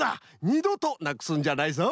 にどとなくすんじゃないぞ。